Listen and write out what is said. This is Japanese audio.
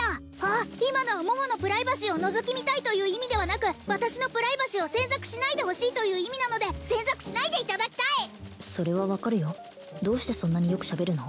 あ今のは桃のプライバシーをのぞき見たいという意味ではなく私のプライバシーを詮索しないでほしいという意味なので詮索しないでいただきたいそれは分かるよどうしてそんなによく喋るの？